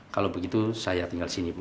kalau begitu saya tinggal sini bu